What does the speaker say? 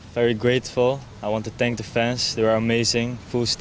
keren stadion penuh pertempuran seluruhnya mereka menangis menangis itu keren